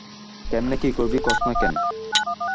কেমনে কী করবি কসনা কেন?